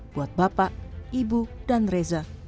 buat bapak ibu dan reza